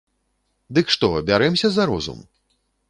Дык што, бярэмся за розум?